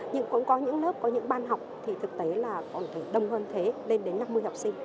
nhưng cũng có những lớp có những ban học thì thực tế là còn đông hơn thế lên đến năm mươi học sinh